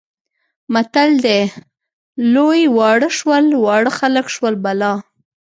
متل دی لوی واړه شول، واړه خلک شول بالا.